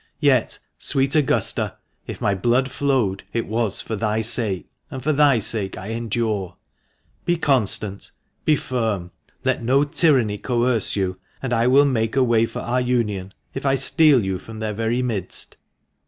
Yet, sweet Augusta, if my blood flowed it was for thy sake, and for thy sake I endure. '•Be constant, be firm; let no tyranny coerce you, and I will make a ivay for our union, if I steal you from their very midst.